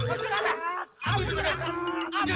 seragam seragam seragam